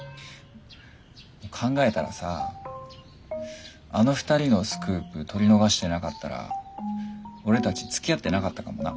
考えたらさあの２人のスクープ取り逃してなかったら俺たちつきあってなかったかもな。